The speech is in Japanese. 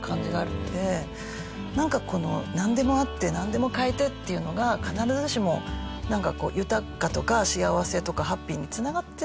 なんかこのなんでもあってなんでも買えてっていうのが必ずしもなんかこう豊かとか幸せとかハッピーに繋がってない。